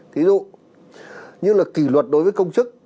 thí dụ như là kỷ luật đối với công chức